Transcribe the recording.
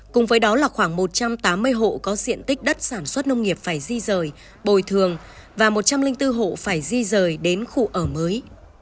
cùng với đó là khoảng một trăm tám mươi hộ có diện tích đất sản xuất nông nghiệp phải di rời bồi thường và một trăm linh bốn hộ phải di rời đến khu ở mới